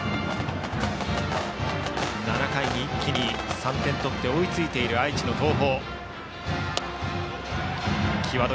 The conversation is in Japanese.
７回に一気に３点取って追いついた愛知の東邦。